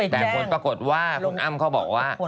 แต่ผู้ชมก็กดว่ากับคุณอ้ำเขาบอกว่า